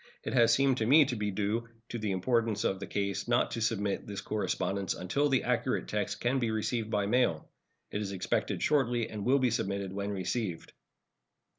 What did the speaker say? It has seemed to me to be due to the importance of the case not to submit this correspondence until the accurate text can be received by mail. It is expected shortly, and will be submitted when received.